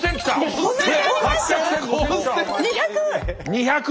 ２００！